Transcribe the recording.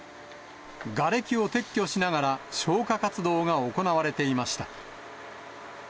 がれきを撤去しながら、消火活動が行われていました。